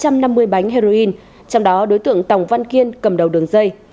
điện biên đã truy nã tới ba trăm năm mươi bánh heroin trong đó đối tượng tòng văn kiên cầm đầu đường dây